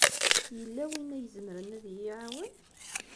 Yella win ay izemren ad iyi-iɛawen?